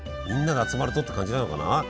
みんなが集まるとって感じなのかな？